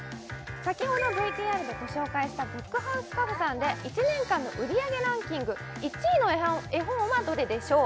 先ほどＶＴＲでご紹介したブックハウスカフェさんで１年間の売り上げランキング１位の絵本はどれでしょう？